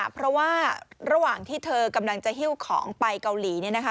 เพราะว่าระหว่างที่เธอกำลังจะหิ้วของไปเกาหลี